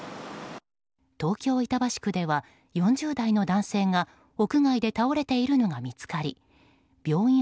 東京・板橋区では４０代の男性が屋外で倒れているのが見つかり病院